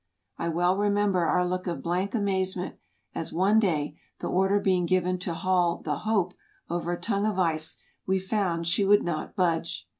I well remember our look of blank amazement as, one day, the order being given to haul the " Hope " over a tongue of ice, we found she would not budge.